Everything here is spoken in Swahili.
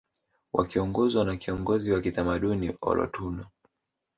Wakiongozwa na kiongozi wa kitamaduni olotuno